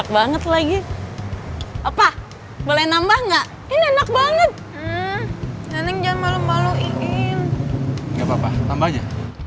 sampai jumpa di video selanjutnya